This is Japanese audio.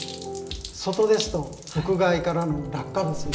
外ですと屋外からの落下物ですよね。